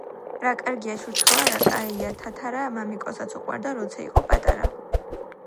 რა კარგია ჩურჩხელა, რა კაია თათარა მამიკოსაც უყვარდა როცა იყო პატარა.